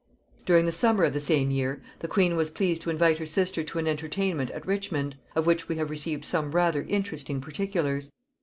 During the summer of the same year the queen was pleased to invite her sister to an entertainment at Richmond, of which we have received some rather interesting particulars.